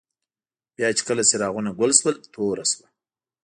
بیا چي کله څراغونه ګل شول، توره شوه.